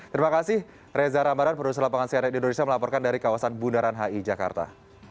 terima kasih reza ramadan produser lapangan cnn indonesia melaporkan dari kawasan bundaran hi jakarta